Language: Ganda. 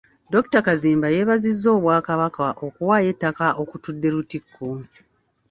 Dr. Kazimba yeebazizza Obwakabaka okuwaayo ettaka okutudde Lutikko.